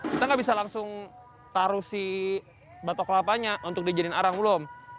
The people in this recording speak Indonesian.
kita nggak bisa langsung taruh si batok kelapanya untuk dijanin arang belum